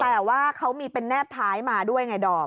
แต่ว่าเขามีเป็นแนบท้ายมาด้วยไงดอม